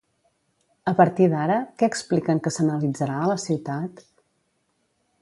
A partir d'ara, què expliquen que s'analitzarà a la ciutat?